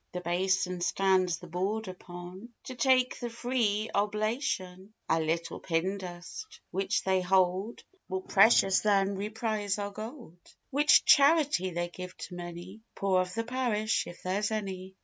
The bason stands the board upon To take the free oblation; A little pin dust, which they hold More precious than we prize our gold; Which charity they give to many Poor of the parish, if there's any.